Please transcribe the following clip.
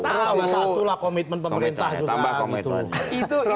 tambah satu lah komitmen pemerintah juga gitu